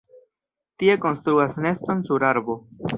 Tie konstruas neston sur arbo.